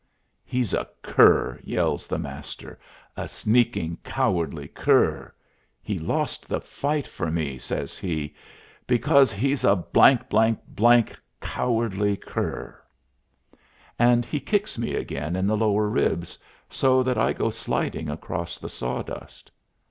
"He's a cur!" yells the Master, "a sneaking, cowardly cur! He lost the fight for me," says he, "because he's a cowardly cur." And he kicks me again in the lower ribs, so that I go sliding across the sawdust.